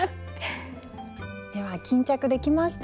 では巾着できました！